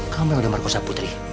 kamu yang udah merokok sama putri